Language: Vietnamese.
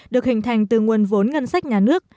được hình thành từ nguồn vốn ngân sách nhà nước